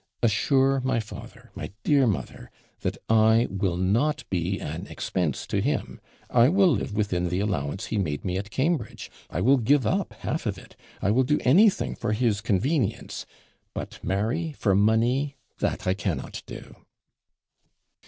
Assure my father, my DEAR MOTHER, that I will not be an expense to him. I will live within the allowance he made me at Cambridge I will give up half of it I will do anything for his convenience but marry for money, that I cannot do.'